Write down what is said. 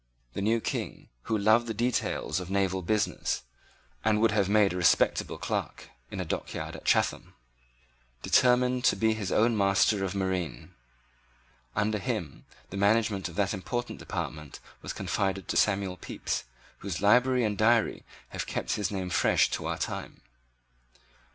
The new King, who loved the details of naval business, and would have made a respectable clerk in a dockyard at Chatham, determined to be his own minister of marine. Under him the management of that important department was confided to Samuel Pepys, whose library and diary have kept his name fresh to our time.